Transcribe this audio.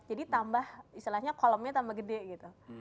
jadi tambah istilahnya kolomnya tambah gede gitu